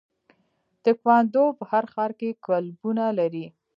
تکواندو په هر ښار کې کلبونه لري.